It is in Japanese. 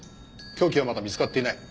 凶器はまだ見つかっていない。